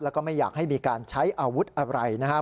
แล้วก็ไม่อยากให้มีการใช้อาวุธอะไรนะครับ